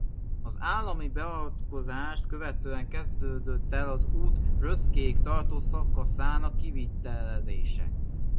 Az állami beavatkozást követően kezdődött el az út Röszkéig tartó szakaszának kivitelezése.